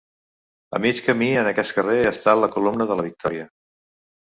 A mig camí en aquest carrer està la Columna de la Victòria.